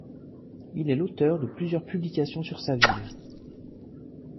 Il est l'auteur de plusieurs publications sur sa ville.